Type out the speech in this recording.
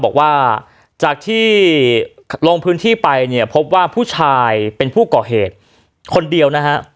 บอกว่าจากที่ลงพื้นที่ไปเนี่ยพบว่าผู้ชายเป็นผู้ก่อเหตุคนเดียวนะฮะ